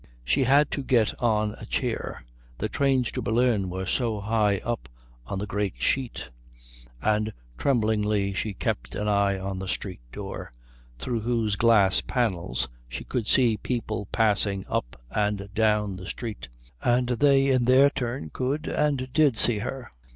She had to get on a chair, the trains to Berlin were so high up on the great sheet, and tremblingly she kept an eye on the street door, through whose glass panels she could see people passing up and down the street, and they in their turn could and did see her.